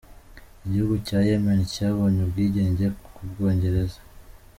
Igihugu cya Yemen cyabonye ubwigenge ku Bwongereza.